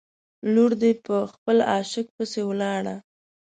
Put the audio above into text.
لور دې په خپل عاشق پسې ولاړه.